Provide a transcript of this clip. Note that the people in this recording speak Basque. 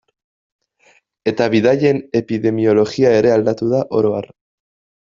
Eta bidaien epidemiologia ere aldatu da oro har.